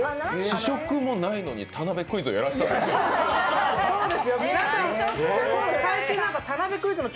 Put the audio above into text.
試食もないのに田辺クイズをやらせたの？